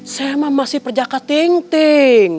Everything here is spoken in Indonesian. saya emang masih perjaka ting ting